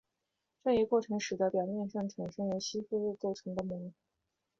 这一过程使得表面上产生由吸附物构成的膜。